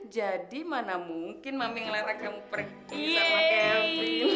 jadi mana mungkin mami ngelera kamu pergi sama kevin